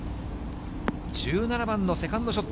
１７番のセカンドショット。